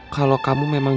kalau kamu memang